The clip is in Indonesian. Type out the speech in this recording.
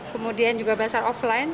kemudian juga basa offline